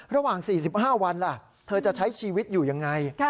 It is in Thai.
ระหว่าง๔๕วันล่ะเธอจะใช้ชีวิตอยู่ยังไง